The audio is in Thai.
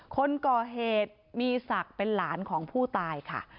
คนก่อเหตุมีศักดิ์เป็นหลานของผู้ตายค่ะ